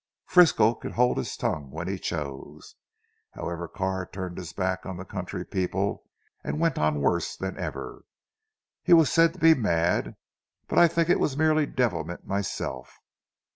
Frisco could hold his tongue when he chose. However Carr turned his back on the country people, and went on worse than ever. He was said to be mad but I think it was mere devilment myself.